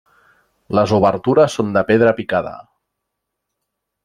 Les obertures són de pedra picada.